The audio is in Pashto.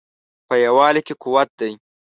په یووالي کې قوت دی